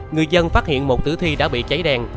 người dân phát hiện một tử thi đã bị cháy đen